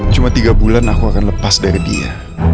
cuma tiga bulan aku akan lepas dari dia